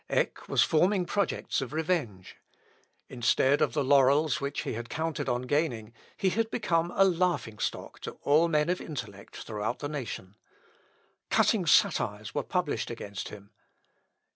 Eck was forming projects of revenge. Instead of the laurels which he had counted on gaining, he had become a laughing stock to all men of intellect throughout the nation. Cutting satires were published against him.